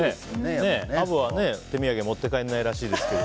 アブは手土産持って帰らないらしいですけど。